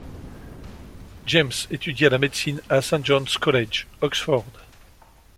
James étudia la médecine à St John's College, Oxford.